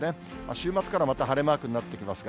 週末からまた晴れマークになってきますが。